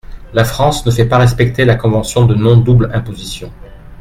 La France ne fait pas respecter la convention de non double imposition.